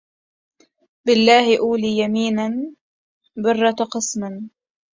بالله أولي يمينا برة قسما